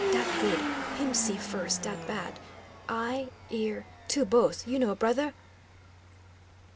Dat good! Him see first, dat bad! Eye, ear, two both. You know, brother?"